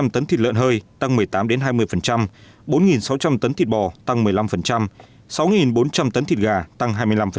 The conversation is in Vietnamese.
một mươi năm ba trăm linh tấn thịt lợn hơi tăng một mươi tám hai mươi bốn sáu trăm linh tấn thịt bò tăng một mươi năm sáu bốn trăm linh tấn thịt gà tăng hai mươi năm